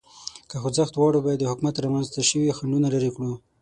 که خوځښت غواړو، باید د حکومت رامنځ ته شوي خنډونه لرې کړو.